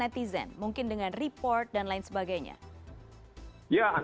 bahwa proses selesai tidak akan memadukan sosialnya kembali